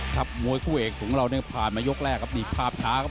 มวยคู่เอกของเราเนี่ยผ่านมายกแรกครับนี่ภาพช้าครับ